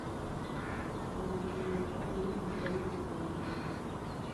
ubugingo bwonyine butari guhunga